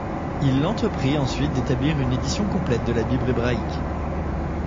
Il entreprit ensuite d'établir une édition complète de la Bible hébraïque.